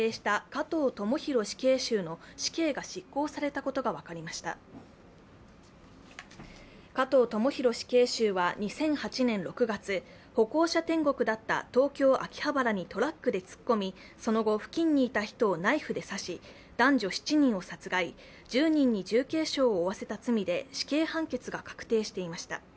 加藤智大死刑囚は２００８年６月歩行者天国だった東京・秋葉原にトラックで突っ込み、その後、付近にいた人をナイフで刺し、男女７人を殺害、１０人に重軽傷を負わせた罪で死刑判決が確定していました。